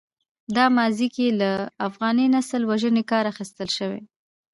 دا ماضي کې له افغاني نسل وژنې کار اخیستل شوی.